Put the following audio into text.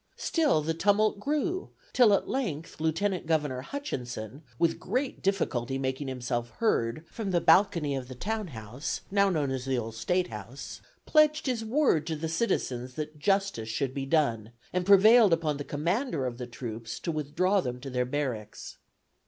Still the tumult grew, till at length Lieutenant Governor Hutchinson, with great difficulty making himself heard from the balcony of the town house (now known as the Old State House) pledged his word to the citizens that justice should be done, and prevailed upon the commander of the troops to withdraw them to their barracks.